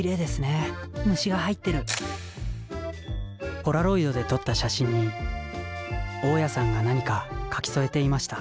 ポラロイドで撮った写真に大家さんが何か書き添えていました